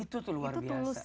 itu tuh luar biasa